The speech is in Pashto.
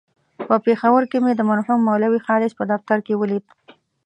په پېښور کې مې د مرحوم مولوي خالص په دفتر کې ولید.